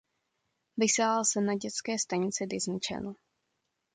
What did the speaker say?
Vysílal se na dětské stanici Disney Channel.